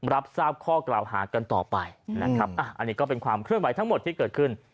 รับทราบข้อกล่าวหากันต่อไปนะครับอันนี้ก็เป็นความเคลื่อนไหวทั้งหมดที่เกิดขึ้น